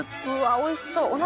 うわおいしそう。